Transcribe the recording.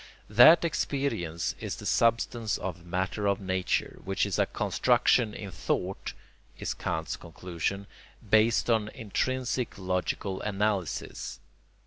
That experience is the substance or matter of nature, which is a construction in thought, is Kant's conclusion, based on intrinsic logical analysis.